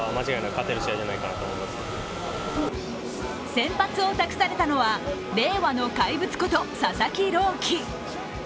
先発を託されたのは令和の怪物こと佐々木朗希。